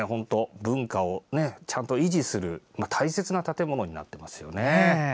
文化をちゃんと維持する大切な建物になっていますね。